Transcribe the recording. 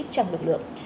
trong lực lượng